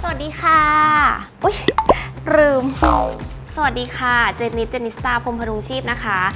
สวัสดีค่ะอุ้ยลืมเศร้าสวัสดีค่ะเจนิดเจนิสตาพรมพรูชีพนะคะ